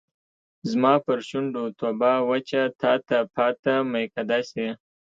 زما پر شونډو توبه وچه تاته پاته میکده سي